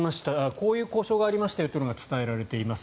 こういう交渉がありましたよというのが伝えられています。